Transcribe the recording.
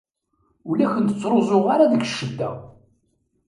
Ur la ken-ttruẓuɣ ara deg ccada.